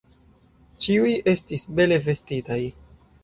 Ĉiuj estis bele vestitaj.